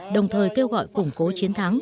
đồng thời kêu gọi củng cố chiến thắng